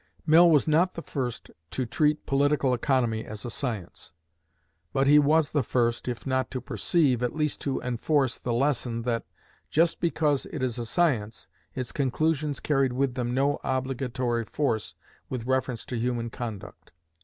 Mill was not the first to treat political economy as a science; but he was the first, if not to perceive, at least to enforce the lesson, that, just because it is a science, its conclusions carried with them no obligatory force with reference to human conduct.